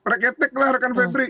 reketek lah rekan febri